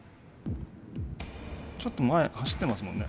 ちょっと前走ってますもんね